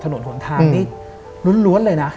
ถนนหนทางนี่ล้วนเลยนะ